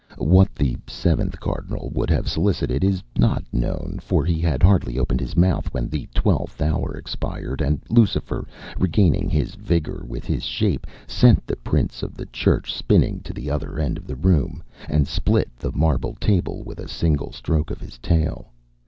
What the seventh Cardinal would have solicited is not known, for he had hardly opened his mouth when the twelfth hour expired, and Lucifer, regaining his vigour with his shape, sent the Prince of the Church spinning to the other end of the room, and split the marble table with a single stroke of his tail.